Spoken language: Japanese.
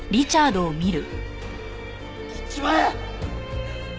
行っちまえ！